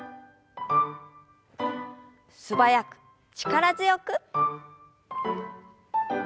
素早く力強く。